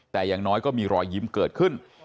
แต่อย่างน้อยก็มีรอยยิ้มเกิดขึ้น